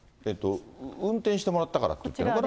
運転してもらったからって言ってるのかな。